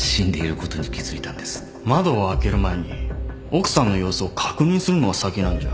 窓を開ける前に奥さんの様子を確認するのが先なんじゃ。